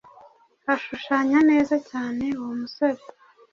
ashushanya neza cyane uwo musore